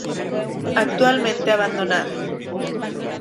Actualmente abandonada.